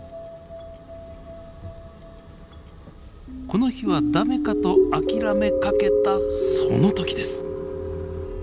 この日は駄目かと諦めかけたその時です。